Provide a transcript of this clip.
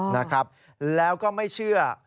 นะครับแล้วก็ไม่เชื่อ